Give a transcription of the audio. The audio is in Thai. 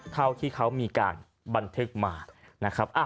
เท่าที่เขามีการบันทึกมานะครับ